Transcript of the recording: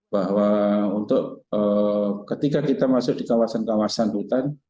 bahwa untuk ketika kita masuk di kawasan kawasan hutan